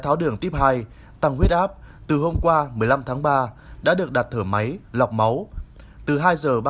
tháo đường tiếp hai tăng huyết áp từ hôm qua một mươi năm tháng ba đã được đặt thở máy lọc máu từ hai giờ